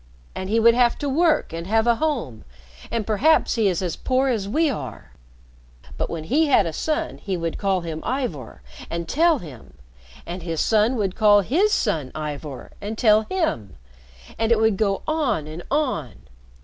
And he would have to work and have a home, and perhaps he is as poor as we are. But when he had a son he would call him Ivor and tell him and his son would call his son Ivor and tell him and it would go on and on.